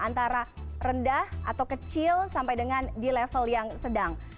antara rendah atau kecil sampai dengan di level yang sedang